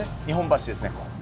日本橋ですね。